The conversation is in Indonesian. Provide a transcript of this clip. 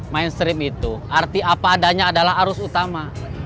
mainstream itu arti apa adanya adalah arus utama